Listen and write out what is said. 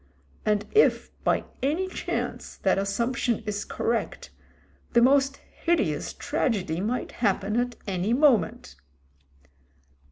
And if, by any chance, that assump tion is correct, the most hideous tragedy might happen at any moment.